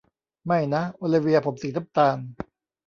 ไม่นะ โอลิเวียผมสีน้ำตาล